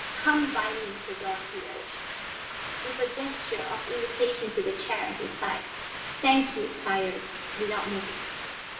"Come by me, Feodor," he urged, with a gesture of invitation to the chair at his side. "Thank you, sire," without moving.